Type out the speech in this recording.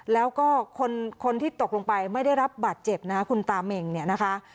แล้วก็คนที่ตกลงไปไม่ได้รับบาดเจ็บนะคะคุณตาเหม็งเนี่ยนะคะ